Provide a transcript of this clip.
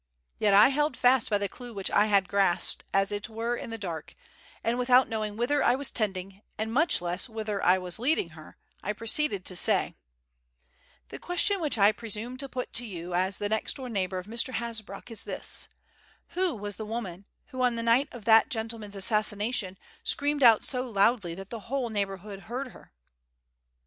Yet I held fast by the clue which I had grasped as it were in the dark, and without knowing whither I was tending, much less whither I was leading her, I proceeded to say: "The question which I presume to put to you as the next door neighbour of Mr. Hasbrouck is this: Who was the woman who on the night of that gentleman's assassination screamed out so loudly that the whole neighbourhood heard her?"